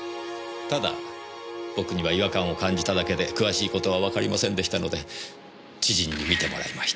ただ僕には違和感を感じただけで詳しいことはわかりませんでしたので知人に見てもらいました。